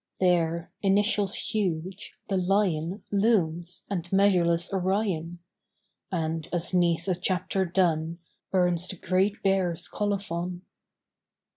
There, initials huge, the Lion Looms and measureless Orion; And, as 'neath a chapter done, Burns the Great Bear's colophon.